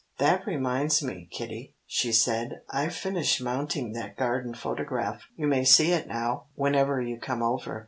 "That reminds me, Kitty," she said. "I've finished mounting that garden photograph. You may see it now, whenever you come over."